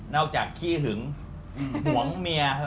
อกจากขี้หึงห่วงเมีย